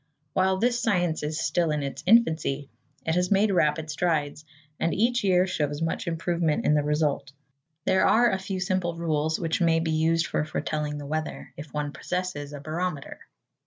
While this science is still in its infancy, it has made rapid strides, and each year shows much improvement in the result. There are a few simple rules, which may be used for foretelling the weather, if one possesses a barometer.